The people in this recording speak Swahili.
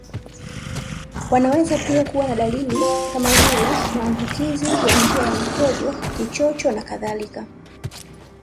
Wanaweza pia kuwa na dalili kama vile maambukizi ya njia ya mkojo Kichocho nakadhalika